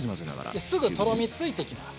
すぐとろみついてきます。